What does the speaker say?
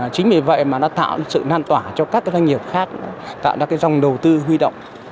chính vì vậy mà nó tạo sự lan tỏa cho các doanh nghiệp khác tạo ra cái dòng đầu tư huy động